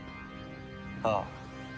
ああ。